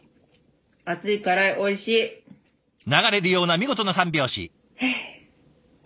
流れるような見事な三拍子。